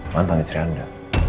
mantan istri anda